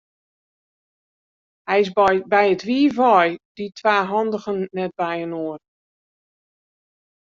Hy is by it wiif wei, dy twa handigen net byinoar.